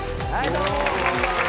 どうもこんばんは。